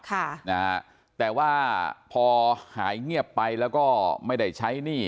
ค่ะนะฮะแต่ว่าพอหายเงียบไปแล้วก็ไม่ได้ใช้หนี้